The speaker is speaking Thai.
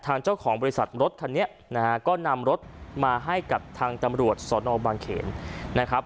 เจ้าของบริษัทรถคันนี้นะฮะก็นำรถมาให้กับทางตำรวจสอนอบางเขนนะครับ